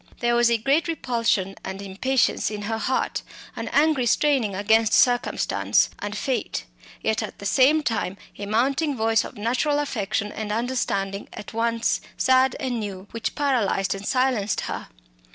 There was a great repulsion and impatience in her heart, an angry straining against circumstance and fate; yet at the same time a mounting voice of natural affection, an understanding at once sad and new, which paralysed and silenced her.